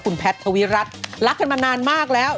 คุณแพทย์ทวิรัติรักกันมานานมากแล้ว